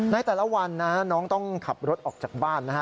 ในแต่ละวันนะน้องต้องขับรถออกจากบ้านนะฮะ